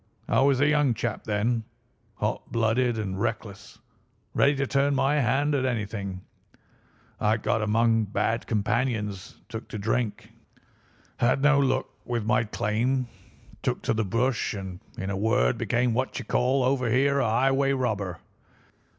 I was a young chap then, hot blooded and reckless, ready to turn my hand at anything; I got among bad companions, took to drink, had no luck with my claim, took to the bush, and in a word became what you would call over here a highway robber.